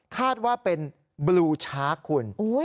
คาดว่าเป็นบลูชาร์คคุณ